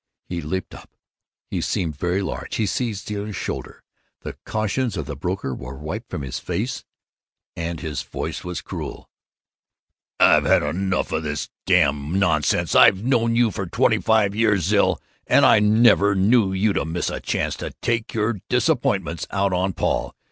He leaped up. He seemed very large. He seized Zilla's shoulder. The cautions of the broker were wiped from his face, and his voice was cruel: "I've had enough of all this damn nonsense! I've known you for twenty five years, Zil, and I never knew you to miss a chance to take your disappointments out on Paul.